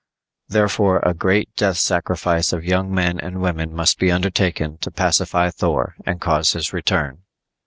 Therefore a great death sacrifice of young men and women must be undertaken to pacify Thor and cause his return.